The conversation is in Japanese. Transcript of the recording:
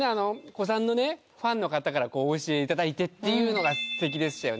古参のファンの方からお教えいただいてっていうのがすてきでしたよね